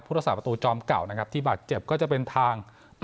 รักษาประตูจอมเก่านะครับที่บาดเจ็บก็จะเป็นทาง